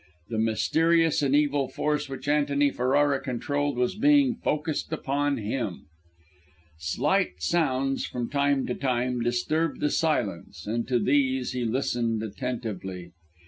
The mysterious and evil force which Antony Ferrara controlled was being focussed upon him! Slight sounds from time to time disturbed the silence and to these he listened attentively.